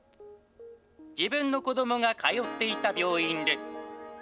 自分の子どもが通っていた病院で。